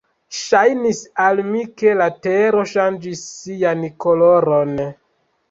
Ŝajnis al mi, ke la tero ŝanĝis sian koloron.